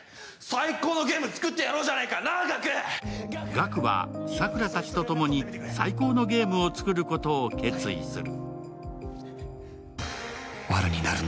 ガクは桜たちとともに最高のゲームを作ることを決意する。